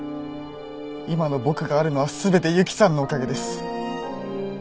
今の僕があるのは全て由紀さんのおかげです。